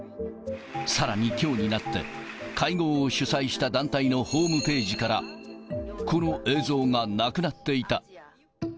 さらにきょうになって、会合を主催した団体のホームページから、この映像がなくなっていた。